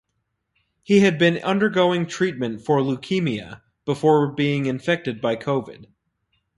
He had been undergoing treatment for leukemia before being infected by covid.